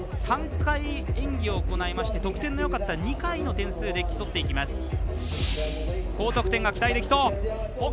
３回、演技を行いまして得点のよかった２回の点数で競っていきます。